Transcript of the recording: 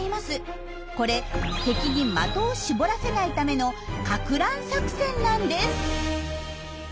これ敵に的を絞らせないためのかく乱作戦なんです。